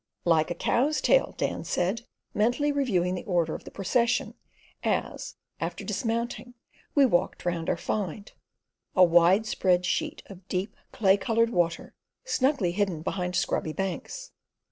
"Like a cow's tail," Dan said, mentally reviewing the order of the procession, as, after dismounting, we walked round our find—a wide spreading sheet of deep, clay—coloured water, snugly hidden behind scrubby banks.